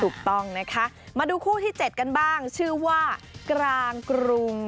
ถูกต้องนะคะมาดูคู่ที่๗กันบ้างชื่อว่ากลางกรุง